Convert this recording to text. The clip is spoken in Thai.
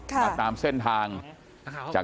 กลุ่มตัวเชียงใหม่